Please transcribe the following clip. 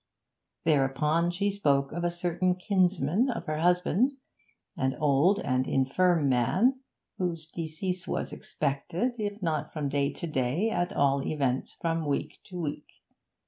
Thereupon she spoke of a certain kinsman of her husband, an old and infirm man, whose decease was expected, if not from day to day, at all events from week to week.